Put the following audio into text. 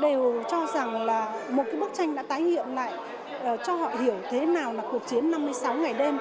đều cho rằng là một cái bức tranh đã tái hiện lại cho họ hiểu thế nào là cuộc chiến năm mươi sáu ngày đêm